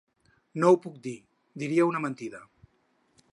No ho puc dir, diria una mentida.